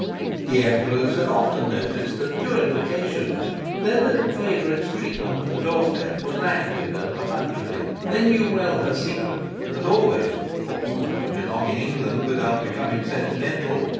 The Emperors had often noticed that during vacations their little favourite's treatment of the doorstep was languid and perfunctory. They knew well her secret, and always (for who can be long in England without becoming sentimental?)